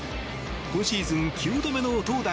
今シーズン９度目の投打